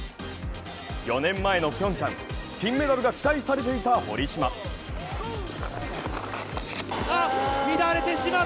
４年前のピョンチャン、金メダルが期待されていた堀島。